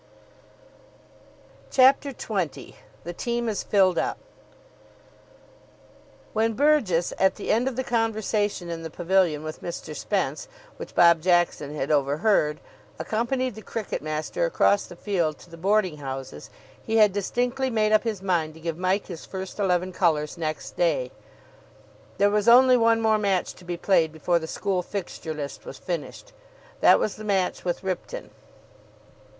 CHAPTER XX THE TEAM IS FILLED UP When Burgess, at the end of the conversation in the pavilion with Mr. Spence which Bob Jackson had overheard, accompanied the cricket master across the field to the boarding houses, he had distinctly made up his mind to give Mike his first eleven colours next day. There was only one more match to be played before the school fixture list was finished. That was the match with Ripton.